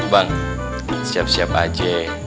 bang siap siap aja